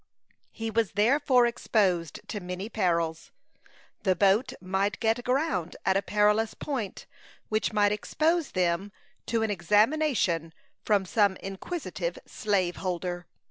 He was therefore exposed to many perils. The boat might get aground at a perilous point, which might expose them to an examination from some inquisitive slaveholder.